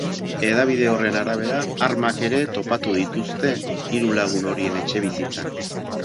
Hedabide horren arabera, armak ere topatu dituzte hiru lagun horien etxebizitzan.